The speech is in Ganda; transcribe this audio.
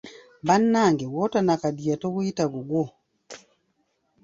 Bannannge gw'otonnakaddiya toguyita gugwo.